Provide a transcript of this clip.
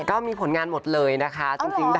ก็มีผลงานหมดเลยนะคะจริงดังมาก